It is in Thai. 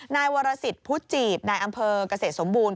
นายวรสิทธิ์พุทธจีบนายอำเภอกเกษตรสมบูรณ